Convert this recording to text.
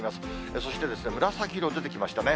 そして紫色出てきましたね。